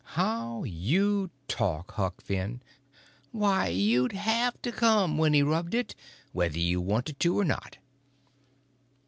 "How you talk, Huck Finn. Why, you'd have to come when he rubbed it, whether you wanted to or not."